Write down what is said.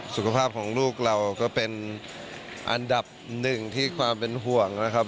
สุขภาพของลูกเราก็เป็นอันดับหนึ่งที่ความเป็นห่วงนะครับ